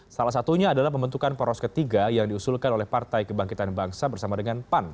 salah satunya adalah pembentukan poros ketiga yang diusulkan oleh partai kebangkitan bangsa bersama dengan pan